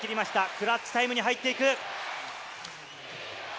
クラッチタイムに入っていく。